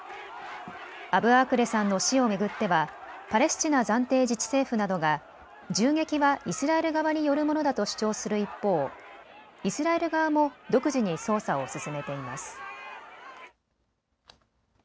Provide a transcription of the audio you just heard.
アブアークレさんの死を巡ってはパレスチナ暫定自治政府などが銃撃はイスラエル側によるものだと主張する一方、イスラエル側も独自に捜査を進めています。